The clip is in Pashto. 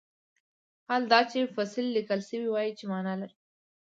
حال دا چې فصیل لیکل شوی وای چې معنی لري.